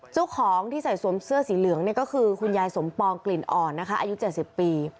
เจ้าของที่ใส่สวมเสื้อสีเหลืองก็คือคุณยายสมปองกลิ่นอ่อนนะคะอายุ๗๐ปี